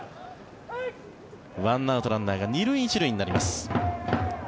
１アウトランナーが２塁１塁になります。